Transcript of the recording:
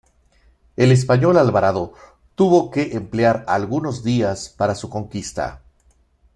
El español Alvarado tuvo que emplear algunos días para su conquista.